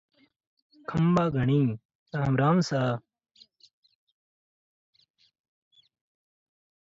Christians, Hindus and Muslims live in harmony in Nalanchira.